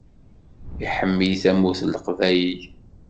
Iḥemmel Tamurt n Leqbayel.